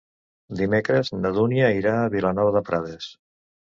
Dimecres na Dúnia irà a Vilanova de Prades.